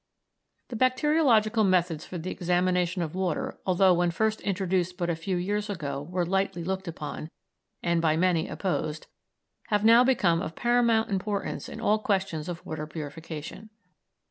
The bacteriological methods for the examination of water, although when first introduced but a few years ago were lightly looked upon, and by many opposed, have now become of paramount importance in all questions of water purification.